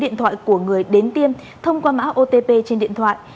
điện thoại của người đến tiêm thông qua mã otp trên điện thoại